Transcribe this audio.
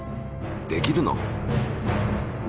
できるの？